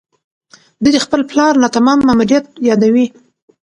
ده د خپل پلار ناتمام ماموریت یادوي.